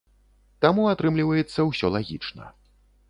Таму атрымліваецца ўсё лагічна.